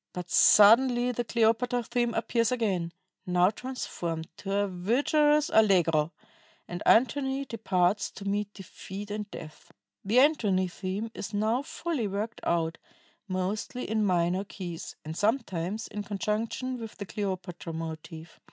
But suddenly the Cleopatra theme appears again, now transformed to a vigorous allegro, and Antony departs to meet defeat and death. "The Antony theme is now fully worked out, mostly in minor keys and sometimes in conjunction with the Cleopatra motive.